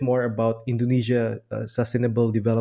lebih tentang tujuan kekembangan